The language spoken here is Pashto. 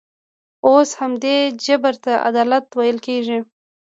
اوس همدې جبر ته عدالت ویل کېږي.